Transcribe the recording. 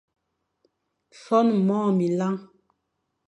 Son môr minlañ,